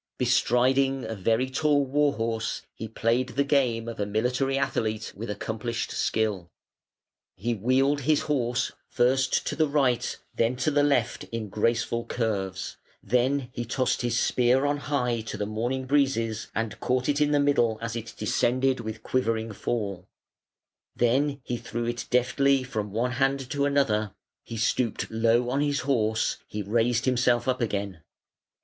Bestriding a very tall war horse he played the game of a military athlete with accomplished skill. He wheeled his horse first to the right, then to the left, in graceful curves; then he tossed his spear on high to the morning breezes and caught it in the middle as it descended with quivering fall; then he threw it deftly from one hand to another, he stooped low on his horse, he raised himself up again.